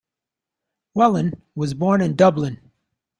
Whelan was born in Dublin.